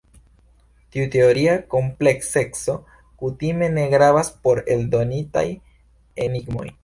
Tiu teoria komplekseco kutime ne gravas por eldonitaj enigmoj.